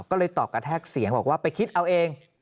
ก็เลยตอบกระแทกเสียงบอกว่าไปคิดเอาเอง